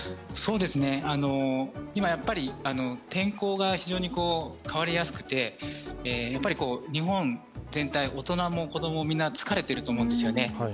今、天候が非常に変わりやすくて日本全体、大人も子供もみんな疲れてると思うんですよね。